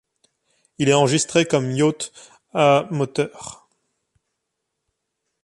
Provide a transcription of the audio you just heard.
Il est enregistré comme yacht à moteur.